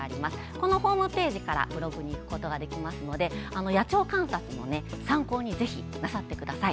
このホームページからブログにいくことができますので野鳥観察の参考にぜひなさってください。